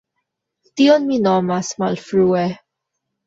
Tion mi nomas malfrue.